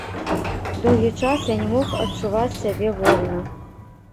Доўгі час я не мог адчуваць сябе вольна.